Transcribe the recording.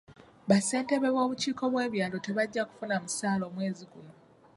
Bassentebe b'obukiiko bw'ebyalo tebajja kufuna musaala omwezi guno.